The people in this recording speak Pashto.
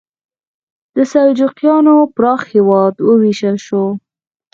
د سلجوقیانو پراخ هېواد وویشل شو.